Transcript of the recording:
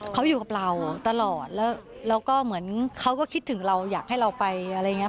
เขาอยู่กับเราตลอดแล้วแล้วก็เหมือนเขาก็คิดถึงเราอยากให้เราไปอะไรอย่างนี้